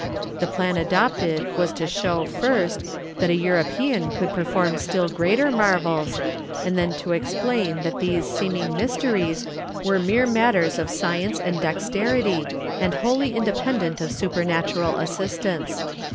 The plan adopted was to show, first, that a European could perform still greater marvels, and then to explain that these seeming mysteries were mere matters of science and dexterity, and wholly independent of supernatural assistance.